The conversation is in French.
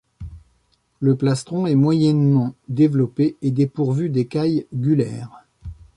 Le plastron est moyennement développé et dépourvu d'écailles gulaires.